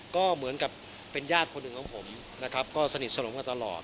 ก็เหมือนกับเป็นญาติคนหนึ่งของผมนะครับก็สนิทสนมกันตลอด